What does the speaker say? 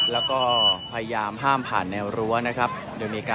การประตูกรมทหารที่สิบเอ็ดเป็นภาพสดขนาดนี้นะครับ